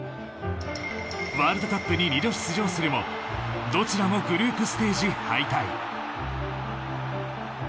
ワールドカップに２度出場するもどちらもグループステージ敗退。